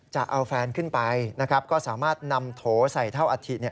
จะเอาแฟนขึ้นไปนะครับก็สามารถนำโถใส่เท่าอัฐิ